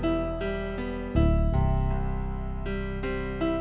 waktu kamu masih itu